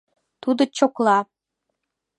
Тудо чокла.